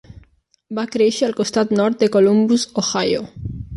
Va créixer al costat nord de Columbus, Ohio.